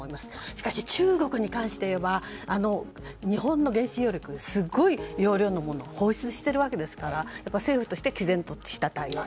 しかし中国に関していえば日本の原子力容量のものを放出しているわけですから政府として毅然とした対応を。